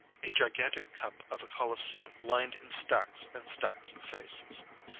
A gigantic cup of a Colosseum lined in stacks and stacks of faces.